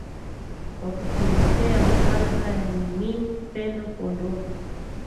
kwa kukuletea makala haya ni mimi pendo pondovi